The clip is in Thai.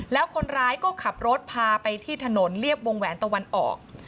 แล้วคนร้ายก็ขับรถพาไปที่ถนนเรียบวงแหวนตะวันออก